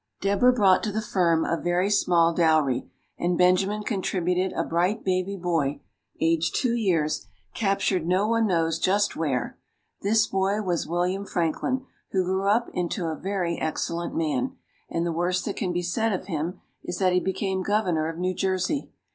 Deborah brought to the firm a very small dowry; and Benjamin contributed a bright baby boy, aged two years, captured no one knows just where. This boy was William Franklin, who grew up into a very excellent man, and the worst that can be said of him is that he became Governor of New Jersey.